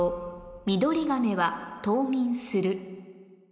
「ミドリガメは冬眠する」